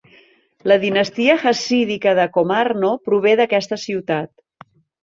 La dinastia Hassídica de Komárno prové d'aquesta ciutat.